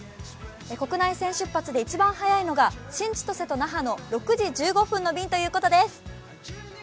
国内線出発で一番早いのが新千歳と那覇の６時１５分の便だということです。